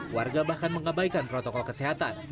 warga bahkan mengabaikan protokol kesehatan